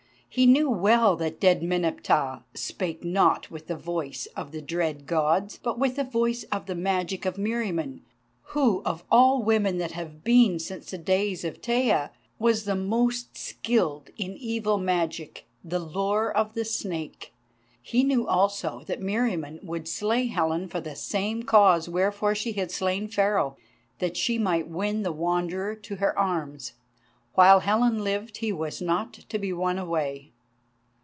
He knew well that dead Meneptah spake not with the voice of the dread Gods, but with the voice of the magic of Meriamun, who, of all women that have been since the days of Taia, was the most skilled in evil magic, the lore of the Snake. He knew also that Meriamun would slay Helen for the same cause wherefore she had slain Pharaoh, that she might win the Wanderer to her arms. While Helen lived he was not to be won away.